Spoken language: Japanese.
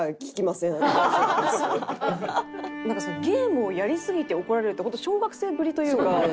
ゲームをやりすぎて怒られるってホント小学生ぶりというか。